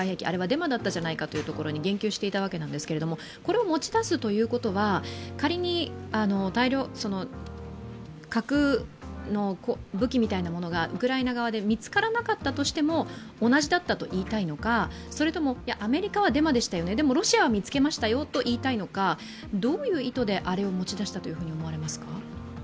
あれはデマだったじゃないかというところに言及していたわけですけれども、これを持ち出すということは、仮に核の武器みたいなものがウクライナ側で見つからなかったとしても、同じだと言いたいのかそれとも、いや、アメリカはデマでしたよね、でもロシアは見つけましたよと言いたいのか、どういう意図であれを持ち出したと思われますか？